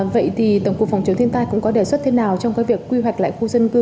vậy thì tổng cục phòng chống thiên tai cũng có đề xuất thế nào trong cái việc quy hoạch lại khu dân cư